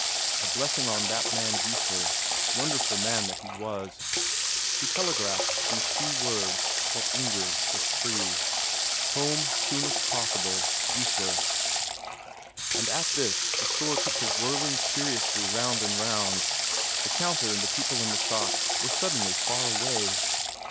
A blessing on that man Geissler, wonderful man that he was! He telegraphed these few words, that Inger was free, "Home soonest possible: Geissler." And at this the store took to whirling curiously round and round; the counter and the people in the shop were suddenly far away.